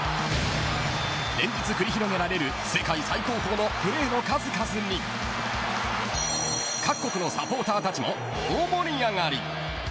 連日繰り広げられる世界最高峰のプレーの数々に各国のサポーターたちも大盛り上がり。